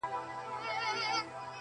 سل کلونه، زرکلونه، ډېر د وړاندي!.